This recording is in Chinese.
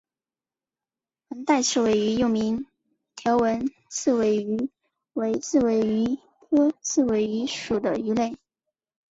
横带刺尾鱼又名条纹刺尾鱼为刺尾鱼科刺尾鱼属的鱼类。